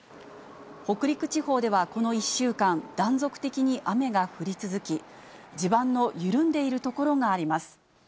北陸地方ではこの１週間、断続的に雨が降り続き、地盤の緩んでいる所があります。